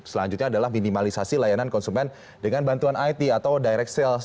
selanjutnya adalah minimalisasi layanan konsumen dengan bantuan it atau direct sales